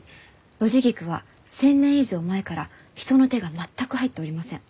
ノジギクは１，０００年以上前から人の手が全く入っておりません。